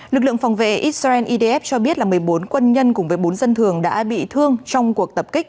lực lượng phòng vệ israel idf cho biết là một mươi bốn quân nhân cùng với bốn dân thường đã bị thương trong cuộc tập kích